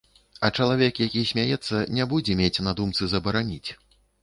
А чалавек, які смяецца, не будзе мець на думцы забараніць.